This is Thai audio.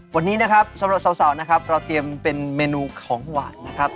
วันนี้สำหรับสาวเราเตรียมเป็นเมนูของหวานนะครับ